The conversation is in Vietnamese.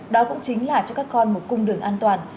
đó cũng chính là cho các con một cung đường an toàn